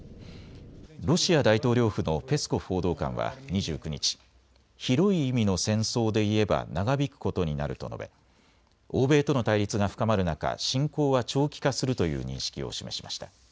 ロシア大統領府のペスコフ報道官は２９日、広い意味の戦争でいえば長引くことになると述べ、欧米との対立が深まる中、侵攻は長期化するという認識を示しました。